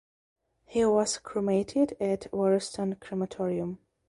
He was cremated at Warriston Crematorium.